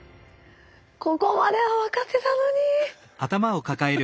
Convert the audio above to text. ここまでは分かってたのに。